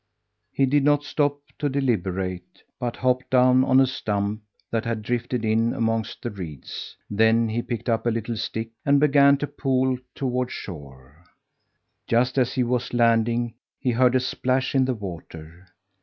He did not stop to deliberate, but hopped down on a stump that had drifted in amongst the reeds. Then he picked up a little stick and began to pole toward shore. Just as he was landing, he heard a splash in the water.